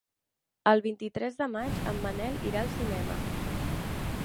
El vint-i-tres de maig en Manel irà al cinema.